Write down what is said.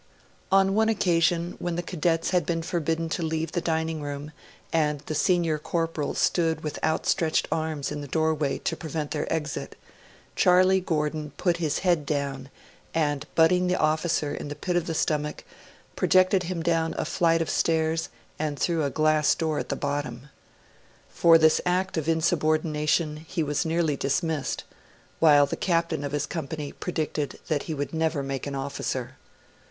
On one occasion, when the cadets had been forbidden to leave the dining room and the senior corporal stood with outstretched arms in the doorway to prevent their exit, Charlie Gordon put his head down, and, butting the officer in the pit of the stomach, projected him down a flight of stairs and through a glass door at the bottom. For this act of insubordination he was nearly dismissed while the captain of his company predicted that he would never make an officer.